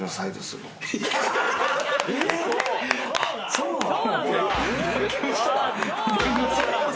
そうなの？